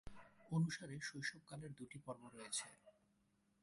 অনুসারে শৈশব কালের দুটি পর্ব রয়েছে।